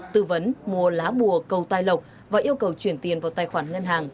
tư vấn mua lá bùa cầu tai lộc và yêu cầu chuyển tiền vào tài khoản ngân hàng